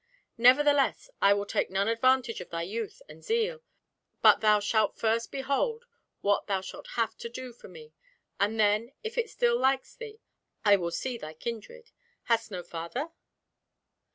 Nevertheless, I will take none advantage of thy youth and zeal, but thou shalt first behold what thou shalt have to do for me, and then if it still likes thee, I will see thy kindred. Hast no father?"